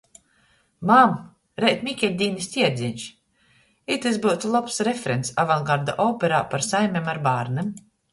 "Mam, reit Mikeļdīnys tierdzeņš!" Itys byutu lobs refrens avangarda operā par saimem ar bārnim.